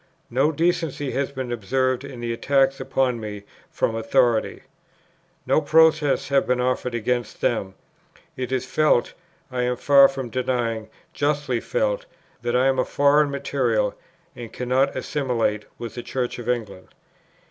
No decency has been observed in the attacks upon me from authority; no protests have been offered against them. It is felt, I am far from denying, justly felt, that I am a foreign material, and cannot assimilate with the Church of England.